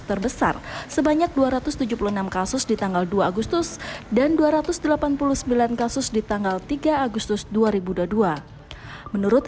terbesar sebanyak dua ratus tujuh puluh enam kasus di tanggal dua agustus dan dua ratus delapan puluh sembilan kasus di tanggal tiga agustus dua ribu dua puluh dua menurut